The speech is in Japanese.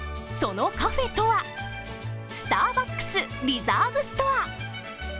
そのカフェとは、スターバックスリザーブストア。